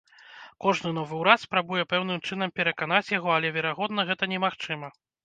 Кожны новы ўрад спрабуе пэўным чынам пераканаць яго, але, верагодна, гэта немагчыма.